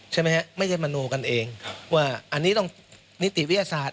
ใช่ไหมฮะไม่ใช่มโนกันเองว่าอันนี้ต้องนิติวิทยาศาสตร์